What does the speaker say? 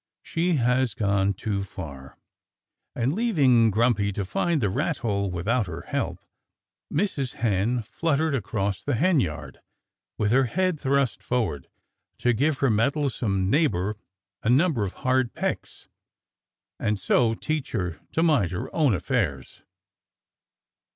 She has gone too far." And leaving Grumpy to find the rat hole without her help, Mrs. Hen fluttered across the henyard with her head thrust forward, to give her meddlesome neighbor a number of hard pecks and so teach her to mind her own affairs.